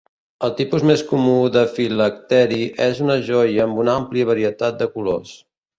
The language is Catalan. El tipus més comú de filacteri és una joia amb una àmplia varietat de colors.